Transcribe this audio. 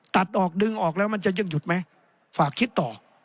ตัดออกดึงออกแล้วมันจะยังหยุดไหมฝากคิดต่อ